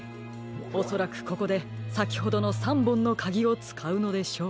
おそらくここでさきほどの３ぼんのかぎをつかうのでしょう。